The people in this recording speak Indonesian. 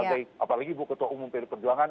apalagi buketua umum pdi perjuangan